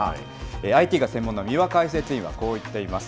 ＩＴが専門の三輪解説委員はこう言っています。